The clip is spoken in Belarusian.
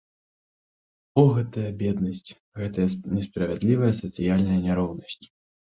О, гэтая беднасць, гэтая несправядлівая сацыяльная няроўнасць!